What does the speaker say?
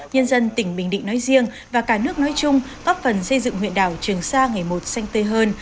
nhân dân tỉnh bình định nói riêng và cả nước nói chung góp phần xây dựng huyện đảo trường sa ngày một xanh tươi hơn